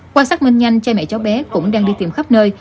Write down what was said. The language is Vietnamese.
quan sát minh nhanh cha mẹ cháu bé cũng đang đi tìm khắp nơi